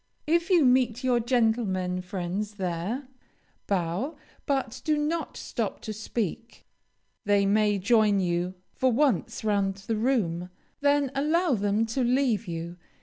If you meet your gentlemen friends there, bow, but do not stop to speak. They may join you for once round the room, then allow them to leave you.